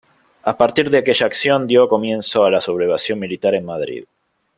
A partir de aquella acción dio comienzo a la sublevación militar en Madrid.